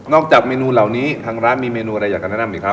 จากเมนูเหล่านี้ทางร้านมีเมนูอะไรอยากจะแนะนำอีกครับ